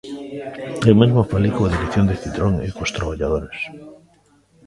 Eu mesmo falei coa dirección de Citroën e cos traballadores.